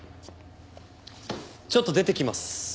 ちょっと出てきます。